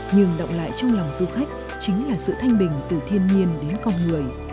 nhưng động lại trong lòng du khách chính là sự thanh bình từ thiên nhiên đến con người